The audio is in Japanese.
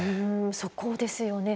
そこですよね。